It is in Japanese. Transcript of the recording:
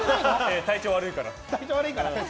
体調悪いから。